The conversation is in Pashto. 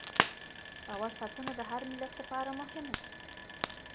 باور ساتنه د هر ملت لپاره مهمه ده.